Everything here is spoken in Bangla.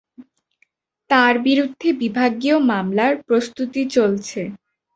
তাঁর বিরুদ্ধে বিভাগীয় মামলার প্রস্তুতি চলছে।